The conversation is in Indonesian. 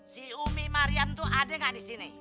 si umi mariam itu ada nggak di sini